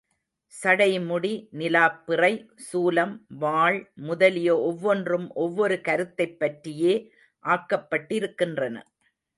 சடைமுடி, நிலாப் பிறை, சூலம், வாள் முதலிய ஒவ்வொன்றும் ஒவ்வொரு கருத்தைப் பற்றியே ஆக்கப்பட்டிருக்கின்றன.